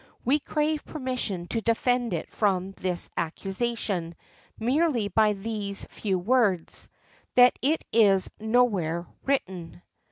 We crave permission to defend it from this accusation, merely by these few words, "That it is nowhere written."